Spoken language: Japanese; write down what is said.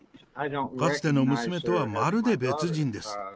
かつての娘とはまるで別人です。